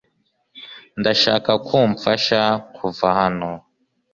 Ndashaka ko umfasha kuva hano .